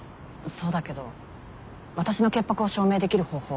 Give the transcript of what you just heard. そうだけど私の潔白を証明できる方法